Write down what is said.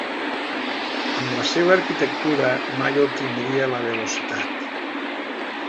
Amb la seva arquitectura mai obtindria la velocitat.